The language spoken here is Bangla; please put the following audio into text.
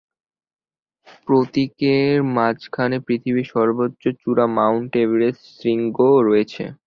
প্রতীকের মাঝখানে পৃথিবীর সর্বোচ্চ চূড়া-মাউন্ট এভারেস্ট শৃঙ্গ রয়েছে।